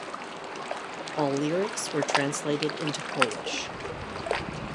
All lyrics were translated into Polish.